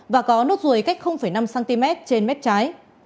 và có nốt ruồi cách năm cm trên mép trái